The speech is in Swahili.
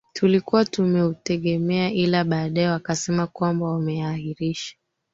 tulikuwa tumeutegemea ila baadaye wakasema kwamba wameahirisha